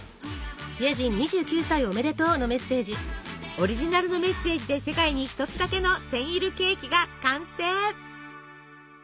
オリジナルのメッセージで世界に一つだけのセンイルケーキが完成！